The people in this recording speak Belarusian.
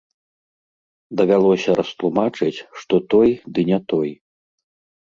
Давялося растлумачыць, што той, ды не той.